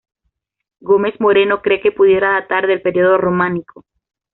Gómez-Moreno cree que pudieran datar del periodo románico.